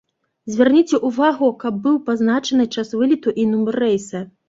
Звярніце ўвагу, каб быў пазначаны час вылету і нумар рэйса.